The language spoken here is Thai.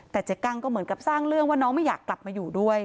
แต่เจ๊กั้งก็เหมือนกับสร้างเรื่องว่าน้องไม่อยากกลับมาอยู่ด้วย